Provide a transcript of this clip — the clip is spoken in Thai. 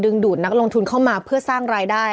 ดูดนักลงทุนเข้ามาเพื่อสร้างรายได้